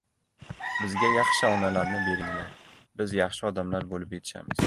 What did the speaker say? Bizga yaxshi onalarni beringlar, biz yaxshi odamlar bo‘lib yetishamiz.